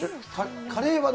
カレーは何？